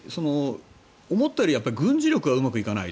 思ったより軍事力はうまくいかない。